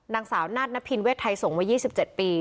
นางสาวนัดนพินเวชไทยสงวัยยี่สิบเจ็ดปี